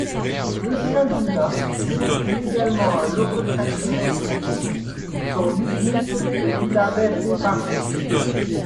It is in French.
Euskalduna construit également un locotracteur de ce type pour son usine de Villaverde Bajo.